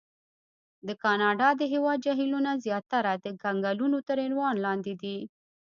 د کاناډا د هېواد جهیلونه زیاتره د کنګلونو تر عنوان لاندې دي.